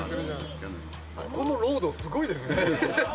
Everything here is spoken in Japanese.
ここのロードすごいですね。